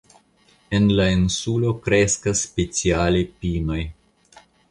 En la insulo kreskas speciale pinoj.